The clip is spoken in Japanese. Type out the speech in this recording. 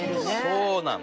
そうなの。